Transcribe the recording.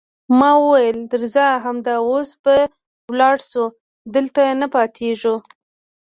ما وویل: درځه، همدا اوس به ولاړ شو، دلته نه پاتېږو.